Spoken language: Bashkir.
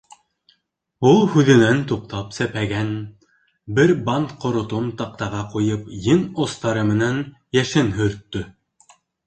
— Ул, һүҙенән туҡтап, сәпәгән бер бант ҡоротон таҡтаға ҡуйып, ең остары менән йәшен һөрттө.